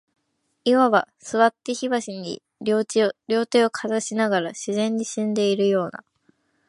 謂わば、坐って火鉢に両手をかざしながら、自然に死んでいるような、